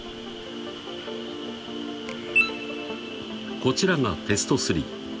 ［こちらがテスト３］